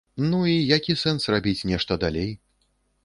Ну, і які сэнс рабіць нешта далей?